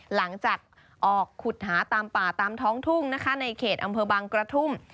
หลังจากออกขุดหาตามป่าตามท้องทุ่งนะคะในเขตอำเภอบางกระทุ่ม